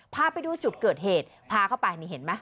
พาไปดูจุดเกิดเหตุพาเข้าไปนี่เห็นไหม